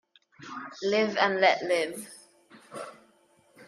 Live and let live.